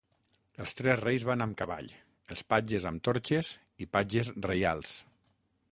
Els tres reis van amb cavall, els patges amb torxes i patges reials.